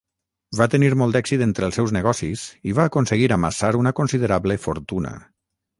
Va tenir molt d'èxit en els seus negocis i va aconseguir amassar una considerable fortuna.